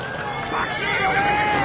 脇へ寄れ！